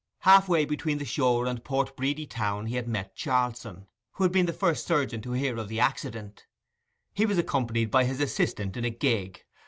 Halfway between the shore and Port Bredy town he had met Charlson, who had been the first surgeon to hear of the accident. He was accompanied by his assistant in a gig.